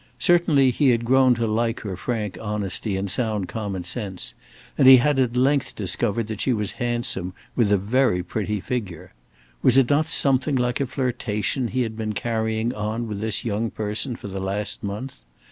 Certainly he had grown to like her frank honesty and sound common sense, and he had at length discovered that she was handsome, with a very pretty figure. Was it not something like a flirtation he had been carrying on with this young person for the last month?